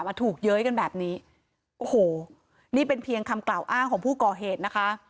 ถูกเย้ยกันแบบนี้โอ้โหนี่เป็นเพียงคำกล่าวอ้างของผู้ก่อเหตุนะคะ